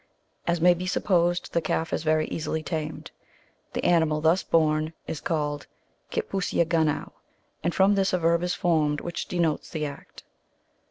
As may be supposed, tlia calf is very easily tamed. The animal thus born is called Kitpooseagunow, and from this a verb is formed which denotes the act."